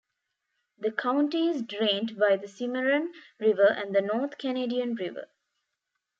The county is drained by the Cimarron River and the North Canadian River.